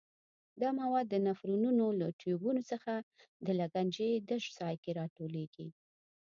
دا مواد د نفرونونو له ټیوبونو څخه د لګنچې تش ځای کې را ټولېږي.